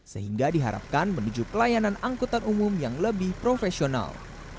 sehingga diharapkan menuju pelayanan angkutan umum yang lebih profesional